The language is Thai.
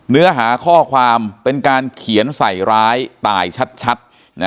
เนื้อหาข้อความเป็นการเขียนใส่ร้ายตายชัด